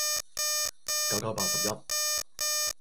九九八十一